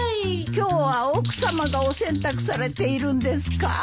今日は奥さまがお洗濯されているんですか？